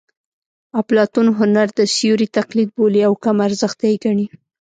اپلاتون هنر د سیوري تقلید بولي او کم ارزښته یې ګڼي